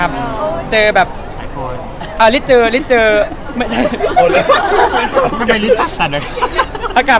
พี่เห็นไอ้เทรดเลิศเราทำไมวะไม่ลืมแล้ว